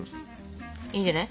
いいんじゃない？